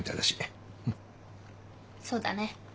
そうだね。